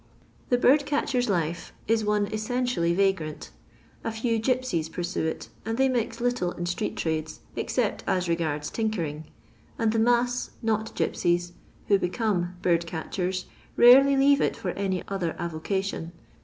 The bird catcher^s life is one essentially Tsgrant ; a few gipsies pursue it, and they mix little in street trades, except as regards tinkering ; and the mass, not gipsies, who become bird catchers, rarely leave it for any other avocation.